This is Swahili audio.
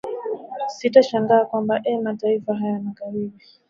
sitashangaa kwamba eeh mataifa haya ya magharibi